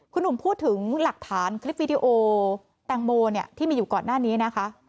คุณหนุ่มพูดถึงหลักฐานคลิปวิดีโอแตงโมที่มีอยู่ก่อนหน้านี้นะคะ